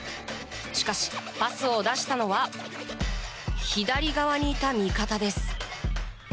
しかし、パスを出したのは左側にいた味方です。